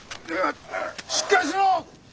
しっかりしろ！